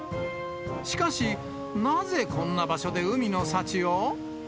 しかし、なぜこんな場所で海の幸を？